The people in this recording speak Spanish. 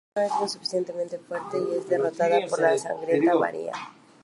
Xena no es lo suficientemente fuerte y es derrotada por la sangrienta Varía.